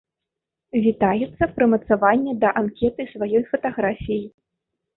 Вітаецца прымацаванне да анкеты сваёй фатаграфіі.